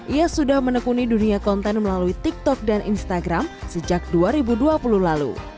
ia sudah menekuni dunia konten melalui tiktok dan instagram sejak dua ribu dua puluh lalu